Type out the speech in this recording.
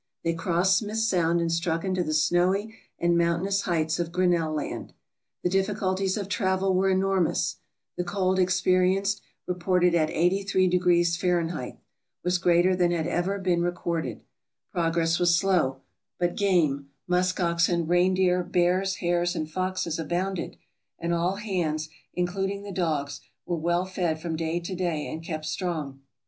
They crossed Smith Sound and struck into the snowy and mountainous heights of Grinnell Land. The difficulties of travel were enormous; the cold experienced (reported at 830 Fahrenheit) was greater than had ever been recorded; progress was slow; but game — musk oxen, reindeer, bears, hares, and foxes^ — abounded, and all hands, including the dogs, were well fed from day to day and kept strong.